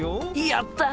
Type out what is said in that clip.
やった！